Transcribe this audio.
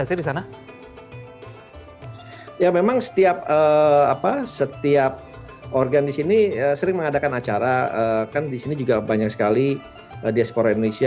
ya memang setiap apa setiap organ di sini sering mengadakan acara kan di sini juga banyak sekali diaspora indonesia